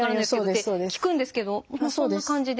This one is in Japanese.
って聞くんですけどそんな感じで？